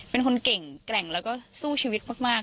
เป็นคนเก่งแกร่งแล้วก็สู้ชีวิตมาก